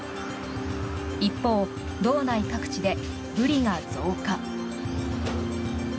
一方、道内各地でブリが増加。